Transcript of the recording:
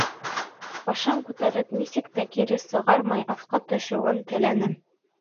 Башын күтәреп, нисек тә кире сығармай, аҫҡа төшөүен теләне.